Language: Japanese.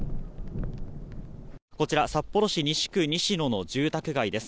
こちら、札幌市西区の住宅街です。